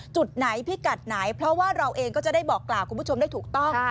จุดไหนพิกัดไหนเพราะว่าเราเองก็จะได้บอกกล่าวคุณผู้ชมได้ถูกต้อง